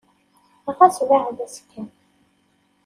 Ɣas beɛɛed-as kan.